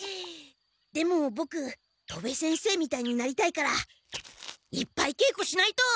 でもボク戸部先生みたいになりたいからいっぱいけいこしないと！